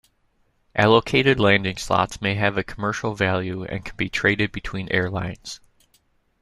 Allocated landing slots may have a commercial value and can be traded between airlines.